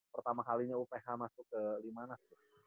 pertama kalinya uph masuk ke limanas